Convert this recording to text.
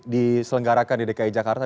diselenggarakan di dki jakarta